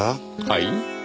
はい？